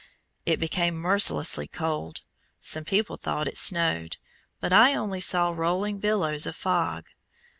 It became mercilessly cold; some people thought it snowed, but I only saw rolling billows of fog.